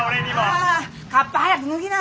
ああカッパ早く脱ぎな！